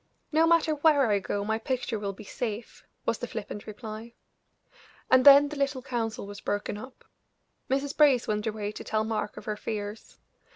"No matter where I go my picture will be safe," was the flippant reply. And then the little council was broken up. Mrs. Brace went away to tell Mark of her fears.